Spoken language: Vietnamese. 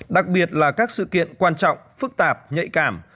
đặc biệt là các sự kiện quan trọng phức tạp nhạy cảm